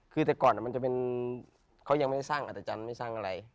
คือแต่ก่อนมันจะเป็นเขายังไม่สร้างอัตจันทร์ไม่สร้างอะไร